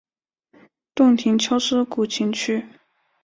洞庭秋思古琴曲。